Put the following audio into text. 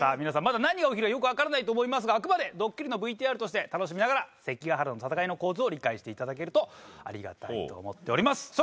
皆さんまだ何が起きるかよくわからないと思いますがあくまでドッキリのＶＴＲとして楽しみながら関ヶ原の戦いの構図を理解して頂けるとありがたいと思っております。